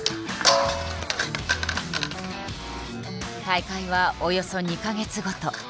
大会はおよそ２か月ごと。